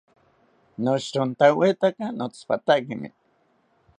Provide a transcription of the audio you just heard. Noshirontawetaka notsipatakimi